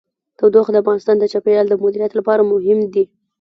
تودوخه د افغانستان د چاپیریال د مدیریت لپاره مهم دي.